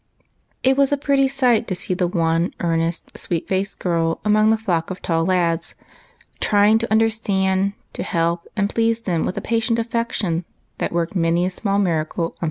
It was a pretty sight to see the one earnest, sweet faced girl among the flock of tall lads, trying to under stand, to help and please them with a patient affection that worked many a small miracle unperceived.